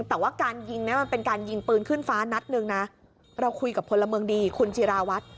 แต่ว่าการยิงเนี่ยมันเป็นการยิงปืนขึ้นฟ้านัดหนึ่งนะเราคุยกับพลเมืองดีคุณจิราวัฒน์